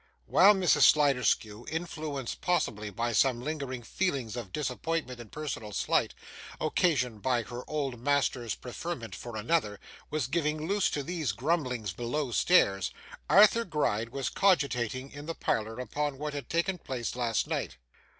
While Mrs. Sliderskew, influenced possibly by some lingering feelings of disappointment and personal slight, occasioned by her old master's preference for another, was giving loose to these grumblings below stairs, Arthur Gride was cogitating in the parlour upon what had taken place last night.